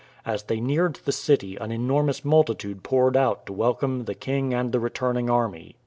As they neared the city an enormous multitude poured out to welcome the king and the returning army.